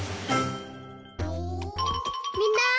みんな！